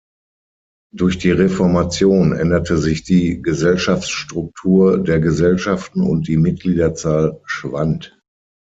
Durch die Reformation änderte sich die Gesellschaftsstruktur der Gesellschaften und die Mitgliederzahl schwand.